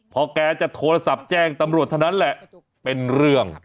พอแกจะโทรศัพท์แจ้งตำรวจเท่านั้นแหละเป็นเรื่อง